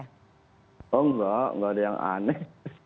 oh enggak enggak ada yang aneh